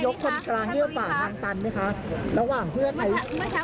ยิ้มนี่คือยังไงครับตามนั้นเลยใช่ไหมคะ